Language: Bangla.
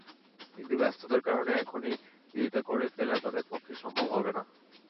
কিন্তু ব্যস্ততার কারণেই এখনই বিয়েটা করে ফেলা তাদের পক্ষে সম্ভব হবে না।